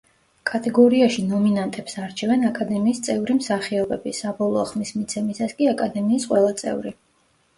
კატეგორიაში ნომინანტებს არჩევენ აკედემიის წევრი მსახიობები, საბოლოო ხმის მიცემისას კი აკადემიის ყველა წევრი.